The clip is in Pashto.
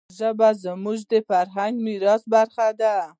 ژبه زموږ د فرهنګي میراث برخه ده.